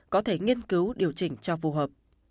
có thể nghiên cứu điều chỉnh cho phù hợp